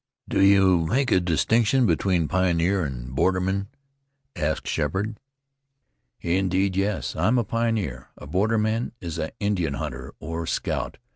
"Do you make a distinction between pioneers and bordermen?" asked Sheppard. "Indeed, yes. I am a pioneer; a borderman is an Indian hunter, or scout.